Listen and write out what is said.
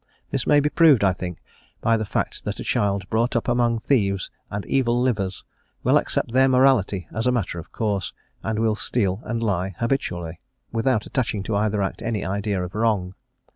This may be proved, I think, by the fact that a child brought up among thieves and evil livers will accept their morality as a matter of course, and will steal and lie habitually, without attaching to either act any idea of wrong.